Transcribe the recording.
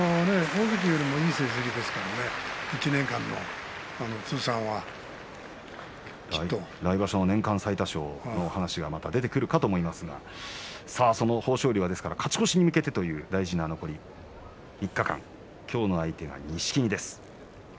大関よりもいい成績ですからね来場所の年間最多勝の話がまた出てくるかと思いますが豊昇龍は勝ち越しに向けて大事な残り３日間今日の相手が錦木です。